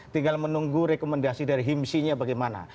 tinggal menunggu rekomendasi dari himsi nya bagaimana